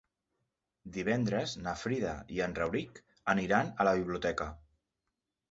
Divendres na Frida i en Rauric aniran a la biblioteca.